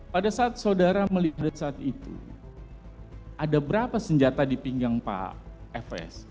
pada saat saudara melihat saat itu ada berapa senjata di pinggang pak fs